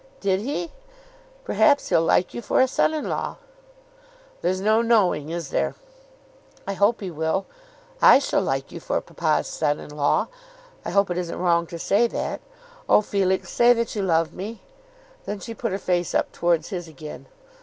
"Did he? Perhaps he'll like you for a son in law." "There's no knowing; is there?" "I hope he will. I shall like you for papa's son in law. I hope it isn't wrong to say that. Oh, Felix, say that you love me." Then she put her face up towards his again.